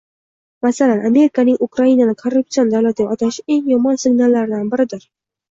Masalan, Amerikaning Ukrainani korruptsion davlat deb atashi eng yomon signallardan biridir